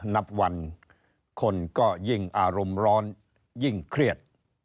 นับวันคนก็ยิ่งอารมณ์ร้อนยิ่งเครียด